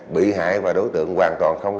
bị hại và đối tượng hoàn toàn không